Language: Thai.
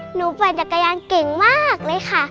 ปั่นจักรยานเก่งมากเลยค่ะ